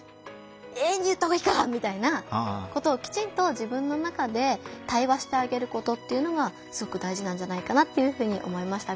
Ａに言った方がいいか」みたいなことをきちんと自分の中で対話してあげることっていうのがすごくだいじなんじゃないかなっていうふうに思いました。